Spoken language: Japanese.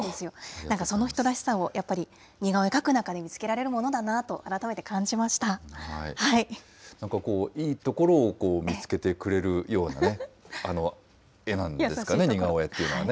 なんかその人らしさをやっぱり、似顔絵描く中で見つけられるものいいところを見つけてくれるような絵なんですかね、似顔絵っていうのはね。